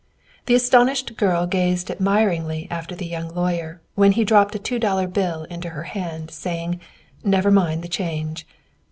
The astonished girl gazed admiringly after the young lawyer, when he dropped a two dollar bill into her hand, saying, "Never mind the change."